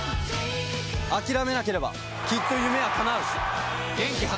諦めなければきっと夢は叶う！